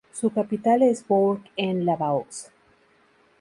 Su capital es Bourg-en-Lavaux.